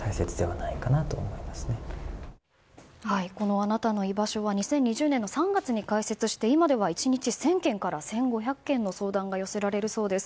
あなたのいばしょは２０２０年の３月に開設して今では１日１０００件から１５００件の相談が寄せられるそうです。